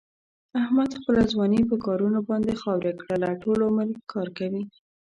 احمد خپله ځواني په کارونو باندې خاورې کړله. ټول عمر کار کوي.